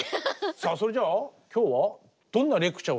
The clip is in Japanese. さあそれじゃあ今日はどんなレクチャーをして頂けるんですか？